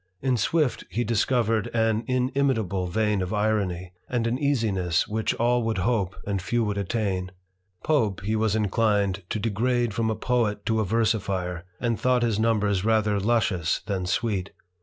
In Swift he discovered an inimitable vein of irony, and an easiness which all would hope and few would attain. Pope he was inclined to degrade from a poet to a versifier, and thought his numbers rather luscious than sweet.